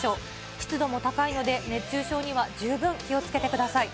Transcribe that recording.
湿度も高いので、熱中症には十分気をつけてください。